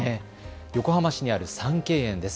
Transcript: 横浜市にある三溪園です。